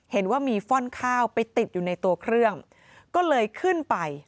เห็นว่ามีฟ่อนข้าวไปติดอยู่ในตัวเครื่องก็เลยขึ้นไป